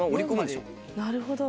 なるほど。